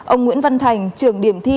ông nguyễn văn thành trường điểm thi